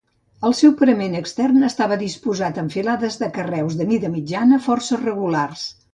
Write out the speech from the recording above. El seu parament extern, estava disposat en filades de carreus de mida mitjana força regulars.